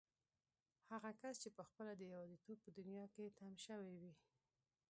هغه کس چې پخپله د يوازيتوب په دنيا کې تم شوی وي.